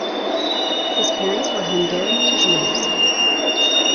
His parents were Hungarian Jews.